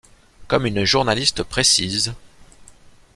Comme une journaliste précise,